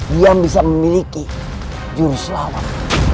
dia bisa memiliki jurus lawan